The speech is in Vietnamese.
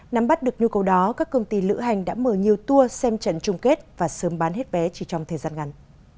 nắm bắt được nhu cầu đó các công ty lữ hành đã mở nhiều tour xem trận chung kết và sớm bán hết vé chỉ trong thời gian ngắn